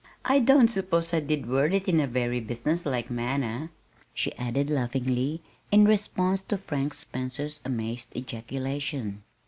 I don't suppose I did word it in a very businesslike manner," she added laughingly, in response to Frank Spencer's amazed ejaculation.